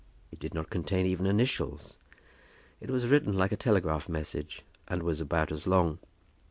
It did not contain even initials. It was written like a telegraph message, and was about as long.